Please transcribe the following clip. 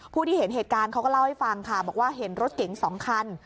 ผู้ที่เห็นเหตุการณ์เขาก็เล่าให้ฟังค่ะบอกว่าเห็นรถเก๋ง๒คัน